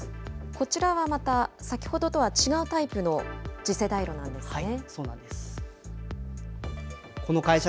こちらはまた、先ほどとは違うタイプの次世代炉なんですね。